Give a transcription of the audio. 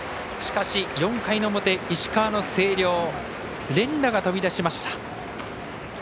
しかし、４回の表石川の星稜連打が飛び出しました。